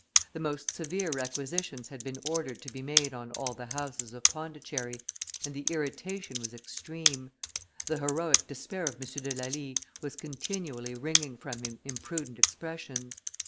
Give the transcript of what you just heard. The most severe requisitions had been ordered to be made on all the houses of Pondicherry, and the irritation was extreme; the heroic despair of M. de Lally was continually wringing from him imprudent expressions.